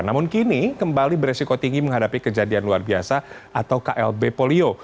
namun kini kembali beresiko tinggi menghadapi kejadian luar biasa atau klb polio